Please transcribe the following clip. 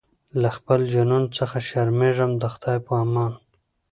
له خپل جنون څخه شرمېږمه د خدای په امان